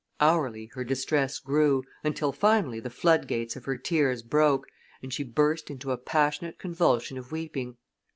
Hourly her distress grew, until finally the floodgates of her tears broke, and she burst into a passionate convulsion of weeping.